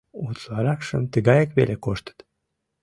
— Утларакшым тыгаяк веле коштыт.